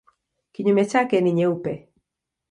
Kinyume chake ni nyeupe.